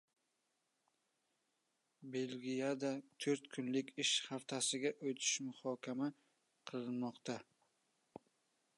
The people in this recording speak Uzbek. Belgiyada to‘rt kunlik ish haftasiga o‘tish muhokama qilinmoqda